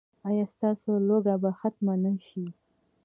ایا ستاسو لوږه به ختمه نه شي؟